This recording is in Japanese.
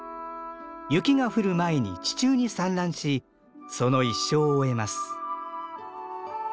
雪が降る前に地中に産卵しその一生を終えます。